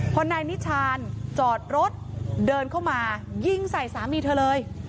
พอนายนิชานจอดรถเดินเข้ามายิงใส่สามีเธอเลย